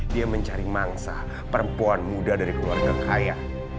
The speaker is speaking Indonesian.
dia mencari mangsa perempuan muda dari keluarga kaya